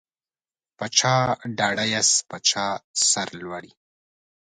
په چا ډاډه یاست په چا سرلوړي